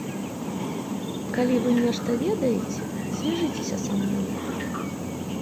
Калі вы нешта ведаеце, звяжыцеся са мной.